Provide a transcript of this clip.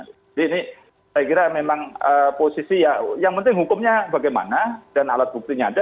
jadi ini saya kira memang posisi ya yang penting hukumnya bagaimana dan alat buktinya ada